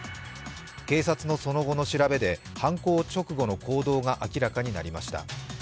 警察のその後の調べで犯行直後の行動が明らかになりました。